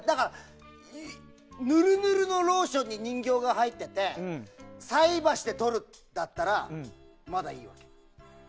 ぬるぬるのローションに人形が入っていて菜箸で取るっていうんだったらまだいいわけ。